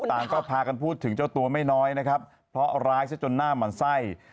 ต่างก็พากันพูดถึงเจ้าตัวไม่น้อยนะครับเพราะร้ายซะจนหน้าหมั่นไส้